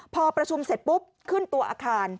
พอประชุมเสร็จปุ๊บขึ้นตัวอาคาร